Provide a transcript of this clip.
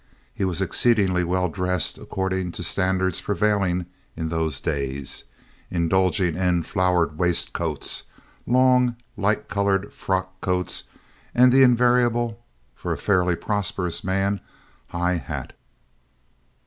He was exceedingly well dressed according to standards prevailing in those days, indulging in flowered waistcoats, long, light colored frock coats, and the invariable (for a fairly prosperous man) high hat.